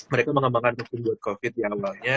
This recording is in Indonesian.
mereka mengembangkan untuk combe buat covid di awalnya